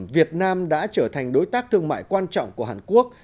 việt nam đã trở thành đối tác thương mại quan trọng của hàn quốc